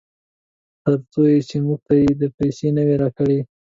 ترڅو چې موږ ته یې پیسې نه وي راکړې.